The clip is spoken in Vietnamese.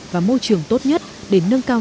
và môi trường tốt nhất để nâng cao